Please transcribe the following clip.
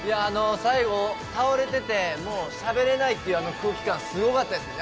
最後、倒れててしゃべれないっていう空気感、すごかったですね。